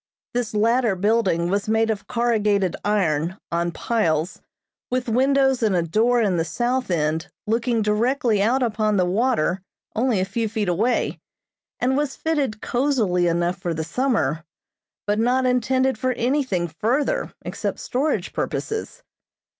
This latter building was made of corrugated iron, on piles, with windows and a door in the south end looking directly out upon the water only a few feet away, and was fitted cosily enough for the summer, but not intended for anything further except storage purposes.